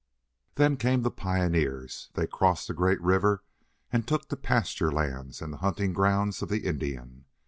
"Then came the pioneers. They crossed the great river and took the pasture lands and the hunting grounds of the Indian.